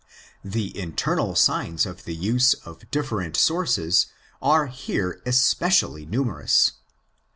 The internal signs of the use of different sources are here especially numerous.